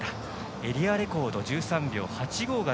エリアレコード１３秒８５